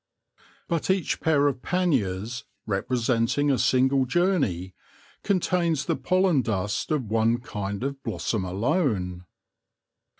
But each pair of panniers, representing a single journey, contains the pollen dust of one kind of blossom alone.